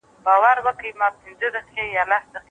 که دا ستونزې حل نه شي، ژبه زيان ويني.